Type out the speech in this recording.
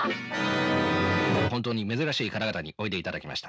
本当に珍しい方々においでいただきました。